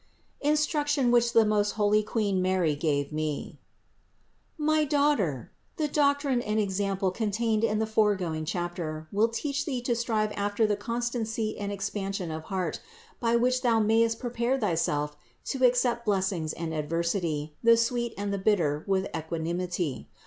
INSTRUCTION WHICH THE MOST HOLY QUEEN MARY GAVE ME. 603. My daughter, the doctrine and example contained in the foregoing chapter will teach thee to strive after the constancy and expansion of heart, by which thou mayest prepare thyself to accept blessings and adversity, the sweet and the bitter with equanimity.